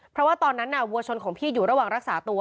เพราะว่าตอนนั้นวัวชนของพี่อยู่ระหว่างรักษาตัว